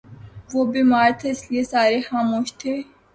وہ بیمار تھا، اسی لئیے سارے خاموش تھے